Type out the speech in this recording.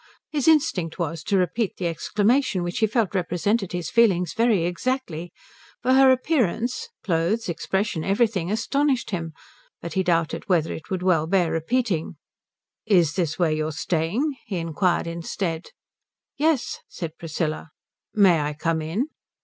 His instinct was to repeat the exclamation which he felt represented his feelings very exactly, for her appearance clothes, expression, everything astonished him, but he doubted whether it would well bear repeating. "Is this where you are staying?" he inquired instead. "Yes," said Priscilla. "May I come in?"